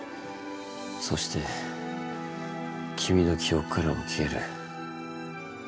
そして君の記憶からも消える。